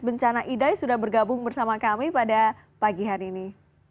bencana idai sudah bergabung bersama kami pada pagi hari ini